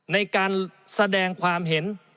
ในการแสดงความเห็น